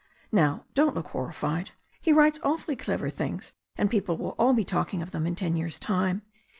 Now don't look horrified. He writes awfully clever things, and people will all be talking of them in ten years' time.